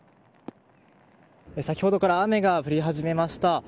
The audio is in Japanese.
先ほどから雨が降り始めました。